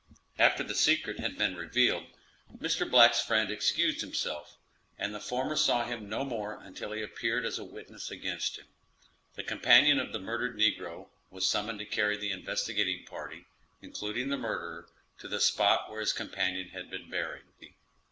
After the secret had been revealed, Mr. Black's friend excused himself, and the former saw him no more until he appeared as a witness against him. The companion of the murdered negro was summoned to carry the investigating party, including the murderer, to the spot where his companion had been buried.